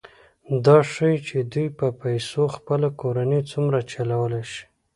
دا ښيي چې دوی په پیسو خپله کورنۍ څومره چلولی شي